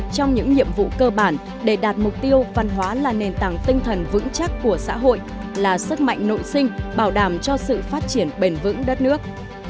công nghiệp văn hóa là nền tảng tinh thần vững chắc của xã hội là sức mạnh nội sinh bảo đảm cho sự phát triển bền vững đất nước